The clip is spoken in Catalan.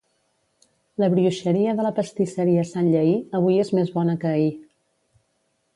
La brioxeria de la pastisseria Sant Llehí, avui és més bona que ahir